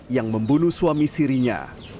yang membunuh suami sirinya